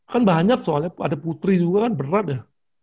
kan banyak soalnya ada putri juga kan berat ya